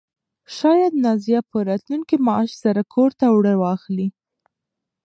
شاید نازیه په راتلونکي معاش سره کور ته اوړه واخلي.